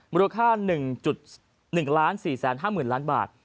มรูคค่า๑๔๕๐๐๐๐บาท